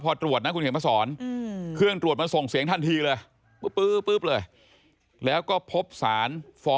พอตรวจนะคุณเขียนพระสร